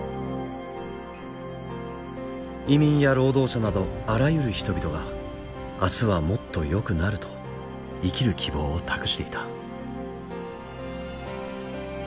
移民や労働者などあらゆる人々が明日はもっとよくなると生きる希望を託していた。